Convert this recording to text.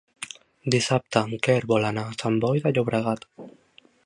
Dissabte en Quer vol anar a Sant Boi de Llobregat.